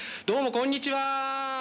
どうもこんにちは。